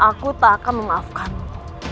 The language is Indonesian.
aku tak akan mengaafkanmu